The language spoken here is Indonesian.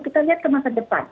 kita lihat ke masa depan